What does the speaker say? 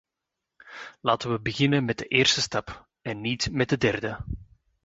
Laten we beginnen met de eerste stap, en niet met de derde.